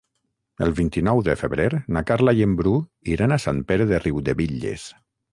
El vint-i-nou de febrer na Carla i en Bru iran a Sant Pere de Riudebitlles.